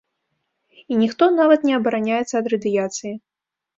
І ніхто нават не абараняецца ад радыяцыі.